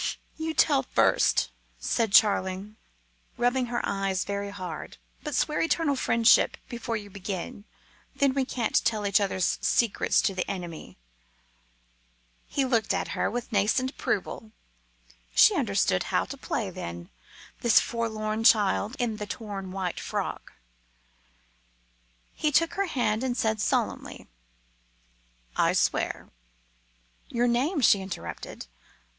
"You tell first," said Charling, rubbing her eyes very hard; "but swear eternal friendship before you begin, then we can't tell each other's secrets to the enemy." He looked at her with a nascent approval. She understood how to play, then, this forlorn child in the torn white frock. He took her hand and said solemnly "I swear." "Your name," she interrupted.